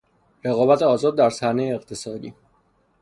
رقابت آزاد در صحنهی اقتصادی